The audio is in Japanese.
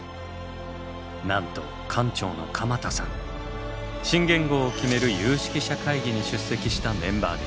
なんと館長の鎌田さん新元号を決める有識者会議に出席したメンバーでした。